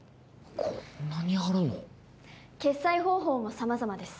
こんなにあるの決済方法も様々です